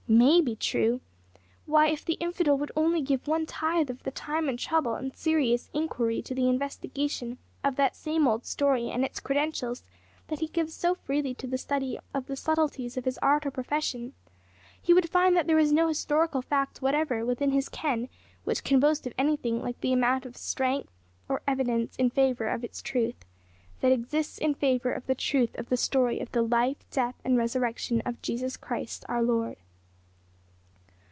May be true! Why, if the infidel would only give one tithe of the time and trouble and serious inquiry to the investigation of that same old story and its credentials that he gives so freely to the study of the subtleties of his art or profession, he would find that there is no historical fact whatever within his ken which can boast of anything like the amount or strength of evidence in favour of its truth, that exists in favour of the truth of the story of the Life, Death, and Resurrection of Jesus Christ our Lord.